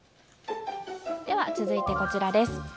続いてこちらです。